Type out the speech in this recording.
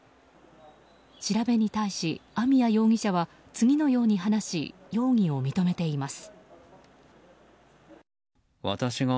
調べに対し網谷容疑者は次のように話し容疑を認めています。